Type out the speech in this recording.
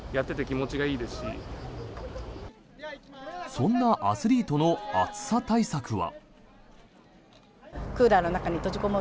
そんなアスリートの暑さ対策は？